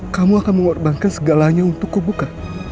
kamu akan mengorbankan segalanya untuk kubuka